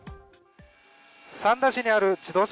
三田市にある自動車